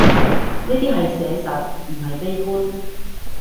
呢啲係寫實，唔係悲觀